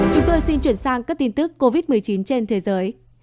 chúng tôi xin chuyển sang các tin tức covid một mươi chín trên thế giới